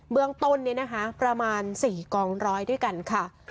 เมืองต้นนี้นะคะประมาณ๔กองร้อยด้วยกันค่ะ